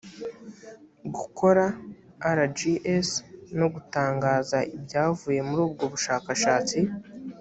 gukora rgs no gutangaza ibyavuye muri ubwo bushakashatsi